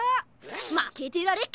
まけてられっか！